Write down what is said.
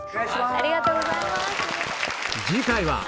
ありがとうございます。